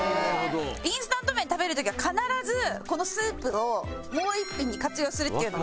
インスタント麺食べる時は必ずこのスープをもう１品に活用するっていうのが。